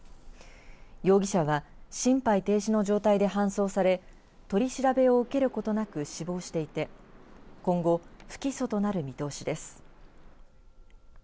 容疑者は心肺停止の状態で搬送され取り調べを受けることなく死亡していて今後、不起訴となる見通しです。